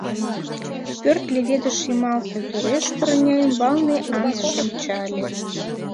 Пӧрт леведыш йымалсе тӧреш пырня ӱмбалне Антс шинча ыле.